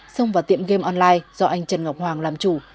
xông vào tiệm game online do anh trần ngọc hoàng làm chủ